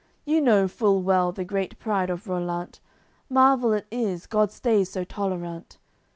You know full well the great pride of Rollant Marvel it is, God stays so tolerant.